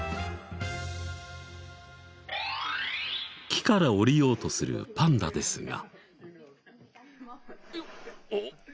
木から下りようとするパンダですが。